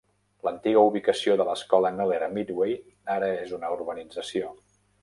L'antiga ubicació de l'escola de Kneller a "Meadway" ara és una urbanització.